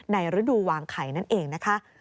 ฤดูวางไข่นั่นเองนะคะ